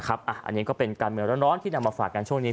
อันนี้ก็เป็นการเมืองร้อนที่นำมาฝากกันช่วงนี้